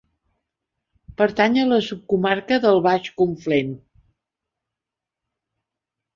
Pertany a la subcomarca del Baix Conflent.